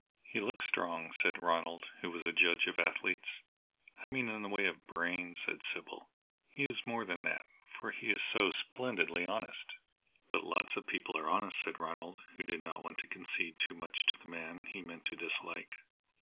"He looks strong," said Ronald, who was a judge of athletes. "I mean in the way of brains," said Sybil. "But he is more than that, for he is so splendidly honest." "But lots of people are honest," said Ronald, who did not want to concede too much to the man he meant to dislike.